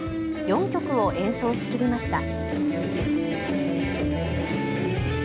４曲を演奏しきりました。